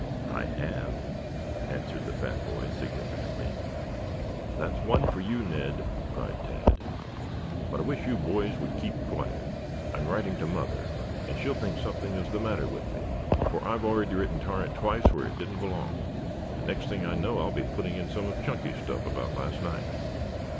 "I have," answered the fat boy significantly. "That's one for you, Ned," cried Tad. "But I wish you boys would keep quiet. I'm writing to Mother and she'll think something is the matter with me, for I've already written 'torrent' twice where it didn't belong and next thing I know I'll be putting in some of Chunky's stuff about last night.